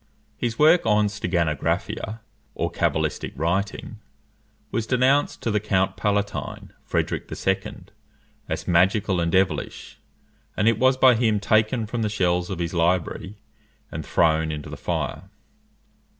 His work on steganographia, or cabalistic writing, was denounced to the Count Palatine, Frederic II., as magical and devilish; and it was by him taken from the shelves of his library and thrown into the fire.